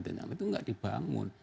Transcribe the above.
dan hal itu gak dibangun